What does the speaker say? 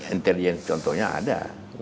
interjensi contohnya ada